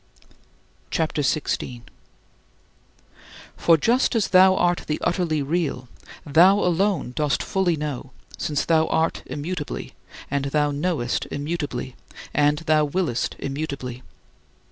CHAPTER XVI 19. For just as thou art the utterly Real, thou alone dost fully know, since thou art immutably, and thou knowest immutably, and thou willest immutably.